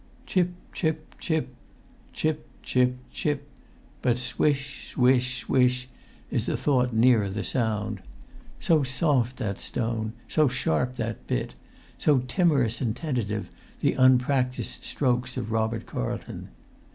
Chip, chip, chip—chip, chip, chip; but swish, swish, swish is a thought nearer the sound. So soft that stone, so sharp that bit, so timorous and tentative the unpractised strokes of Robert Carlton!